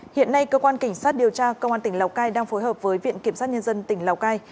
hiện nay cơ quan cảnh sát điều tra công an tỉnh lào cai đang phối hợp với viện kiểm sát nhân dân tỉnh lào cai